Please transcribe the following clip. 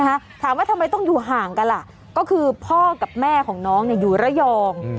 ถามว่าทำไมต้องอยู่ห่างกันล่ะก็คือพ่อกับแม่ของน้องเนี่ยอยู่ระยอง